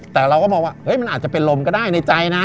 แต่เราก็มองว่ามันอาจจะเป็นลมก็ได้ในใจนะ